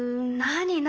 何？